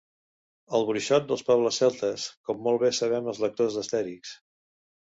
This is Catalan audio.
El bruixot dels pobles celtes, com molt bé sabem els lectors d'Astèrix.